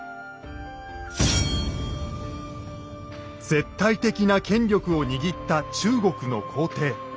絶対的な権力を握った中国の皇帝。